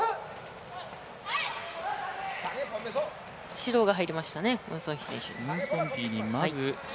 指導が入りましたね、ムンソンフィ選手。